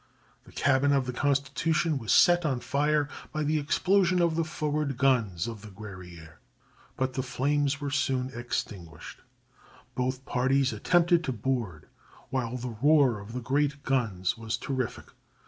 The cabin of the Constitution was set on fire by the explosion of the forward guns of the Guerrière, but the flames were soon extinguished. Both parties attempted to board, while the roar of the great guns was terrific.